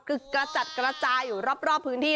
คือกระจัดกระจายอยู่รอบพื้นที่